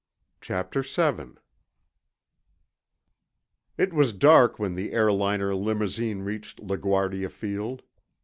CHAPTER VII It was dark when the airliner limousine reached La Guardia Field.